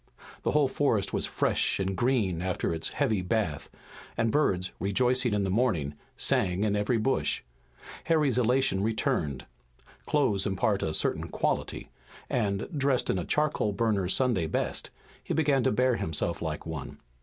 The whole forest was fresh and green after its heavy bath, and birds, rejoicing in the morning, sang in every bush. Harry's elation returned. Clothes impart a certain quality, and, dressed in a charcoal burner's Sunday best, he began to bear himself like one.